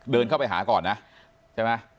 เดินเข้าไปหาก่อนนะใช่ไหม